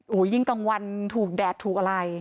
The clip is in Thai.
โอ้โหยิ่งกลางวันถูกแดดถูกอะไร